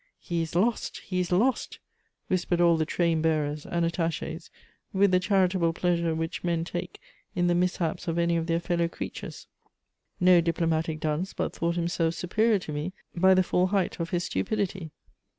"He is lost! he is lost!" whispered all the train bearers and attachés, with the charitable pleasure which men take in the mishaps of any of their fellow creatures. No diplomatic dunce but thought himself superior to me by the full height of his stupidity.